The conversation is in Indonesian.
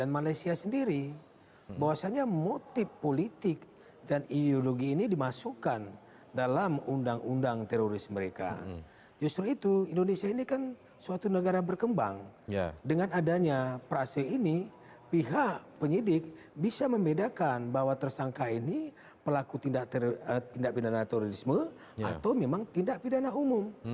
melaku tindak pidana terorisme atau memang tindak pidana umum